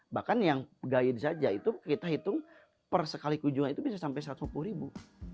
bahkan yang gai saja itu kita hitung per sekali kunjungan itu bisa sampai satu ratus lima puluh ribu